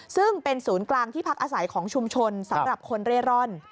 ซึ่งเป็นศูนย์กลางที่พักอาศัยของชุมชนสำหรับคนเร่ร่อน